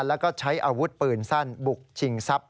แล้วก็ใช้อาวุธปืนสั้นบุกชิงทรัพย